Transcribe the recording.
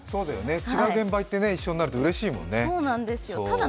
違う現場に行って一緒になるとうれしいからね。